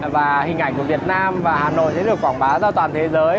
và hình ảnh của việt nam và hà nội sẽ được quảng bá ra toàn thế giới